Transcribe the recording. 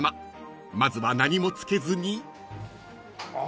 ［まずは何も付けずに］あ！